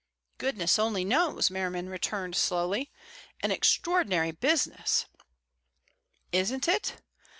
"Goodness only knows," Merriman returned slowly. "An extraordinary business." "Isn't it?